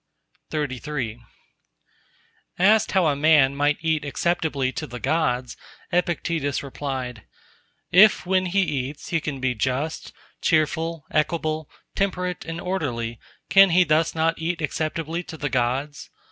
XXXIV Asked how a man might eat acceptably to the Gods, Epictetus replied:—If when he eats, he can be just, cheerful, equable, temperate, and orderly, can he not thus eat acceptably to the Gods?